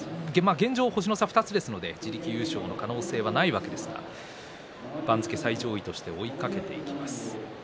現状、星の差２つですので自力優勝の可能性はないわけですが、番付最上位として追いかけていきます。